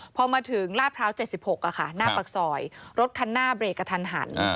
พอมาถึงลาดพร้าว๗๖หน้าปากซอยรถคันหน้าเบรกกระทันหัน